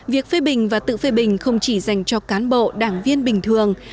việc phê bình và tự phê bình không chỉ dành cho cán bộ đảng viên bình thường